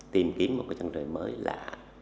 tìm kiếm một cái trang trời mới lạ